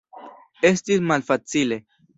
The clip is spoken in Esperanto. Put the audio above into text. Estis malfacile.